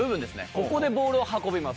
ここでボールを運びます。